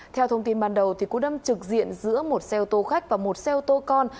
theo thông tin ban đầu cú đâm trực diện giữa một xe ô tô khách và một xe ô tô con